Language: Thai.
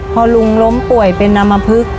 พอลุงล้มป่วยเป็นอำมพลึก